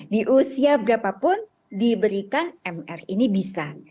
di usia berapapun diberikan mr ini bisa